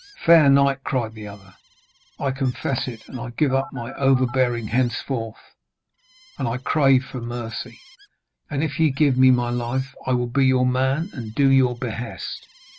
'Fair knight,' cried the other, 'I confess it, and I give up my overbearing henceforth, and I crave for mercy. And if ye give me my life, I will be your man and do your behest.'